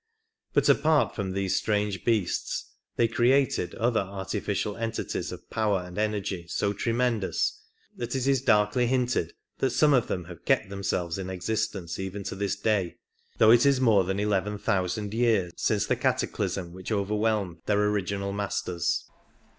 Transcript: But apart from these strange beasts they created other artificial entities of power and energy so tremendous, that it is darkly hinted that some of them have kept themselves in existence even to this day, though it is more than eleven thousand years n since the cataclysm which overwhelmed their original masters.